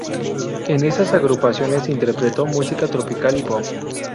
En esas agrupaciones interpretó música tropical y pop.